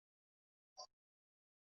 鬼杀是将棋的一种奇袭战法。